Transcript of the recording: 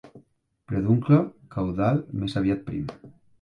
Peduncle caudal més aviat prim.